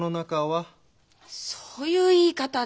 そういう言い方って。